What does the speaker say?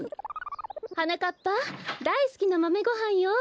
はなかっぱだいすきなまめごはんよ。